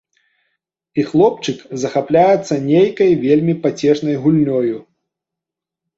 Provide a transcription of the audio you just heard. І хлопчык захапляецца нейкай вельмі пацешнай гульнёю.